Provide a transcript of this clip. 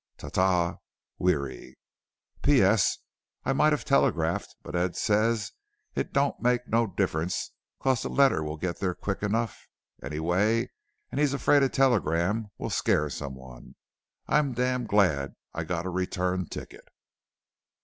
ta ta. WEARY P.S. i might have telegraphed but ed says it dont make no difference cause the letter will git there quick enough any way an hes afraid a telegram will scare some one. im dam glad i got a return ticket.